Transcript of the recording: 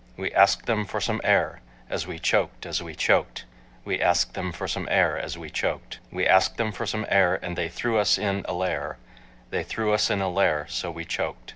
We asked them for some air, As we choked, as we choked, We asked them for some air As we choked. We asked them for some air And they threw us in a lair, They threw us in a lair, so we choked.